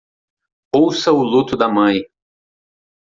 Ouça o luto da mãe